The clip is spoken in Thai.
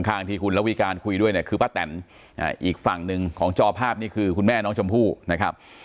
ข้างที่คุณระวิการคุยด้วยเนี่ยคือป้าแตนอีกฝั่งหนึ่งของจอภาพนี่คือคุณแม่น้องชมพู่นะครับ